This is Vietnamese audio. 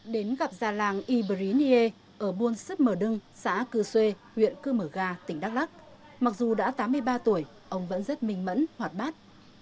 đến gặp già làng ibrinie ở buôn sứt mở đưng xã cư xê huyện cư mở gà tỉnh đắk lắk mặc dù đã tám mươi ba tuổi ông vẫn rất minh mẫn hoạt bát